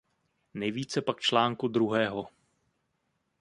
Nejvíce pak článku druhého.